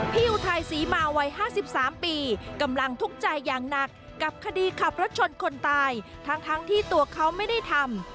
อุทัยศรีมาวัย๕๓ปีกำลังทุกข์ใจอย่างหนักกับคดีขับรถชนคนตายทั้งที่ตัวเขาไม่ได้ทำ